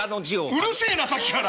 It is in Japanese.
うるせえなさっきから！